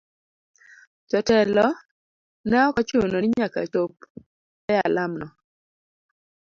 Jo telo ne ok ochuno ni nyaka chop e alam no.